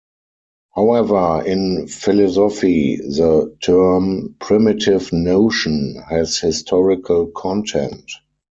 However, in philosophy the term "primitive notion" has historical content.